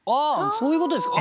そういうことですか？